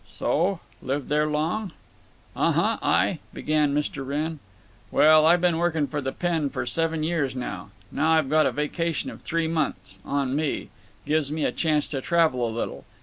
"So? Lived there long?" "Uh huh, I—" began Mr. Wrenn. "Well, I been working for the Penn. for seven years now. Now I've got a vacation of three months. On me. Gives me a chance to travel a little.